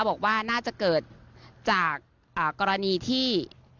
บอกว่าน่าจะเกิดจากกรณีที่